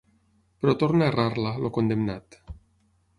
Però torna a errar-la, el condemnat.